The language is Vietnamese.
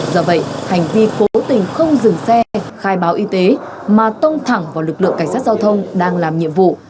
do vậy hành vi cố tình không dừng xe khai báo y tế mà tông thẳng vào lực lượng cảnh sát giao thông đang làm nhiệm vụ